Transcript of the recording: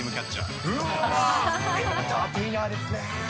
エンターテイナーですね。